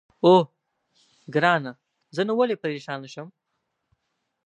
اوه، ګرانه زه نو ولې پرېشانه شم؟